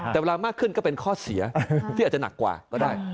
แต่เวลามากขึ้นก็เป็นข้อเสียที่อาจจะหนักกว่าก็ได้